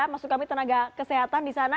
maksud kami tenaga kesehatan disana